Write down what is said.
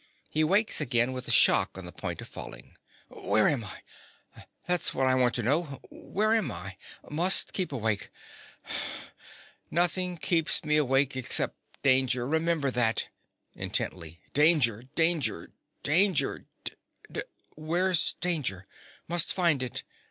He wakes again with a shock on the point of falling._) Where am I? That's what I want to know: where am I? Must keep awake. Nothing keeps me awake except danger—remember that—(intently) danger, danger, danger, dan— Where's danger? Must find it.